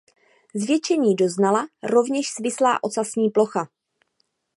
Zvětšení doznala rovněž svislá ocasní plocha.